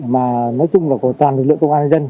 mà nói chung là của toàn lực lượng công an nhân dân